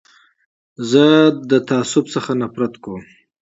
زه له تعصب څخه نفرت لرم.